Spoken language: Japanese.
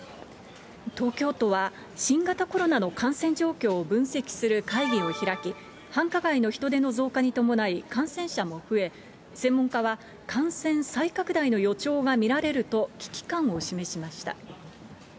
東京都は新型コロナの感染状況を分析する会議を開き、繁華街の人出の増加に伴い感染者も増え、専門家は、感染再拡大の予兆が見られると危機感を示しました。